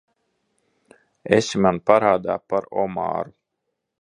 Esi man parādā par omāru.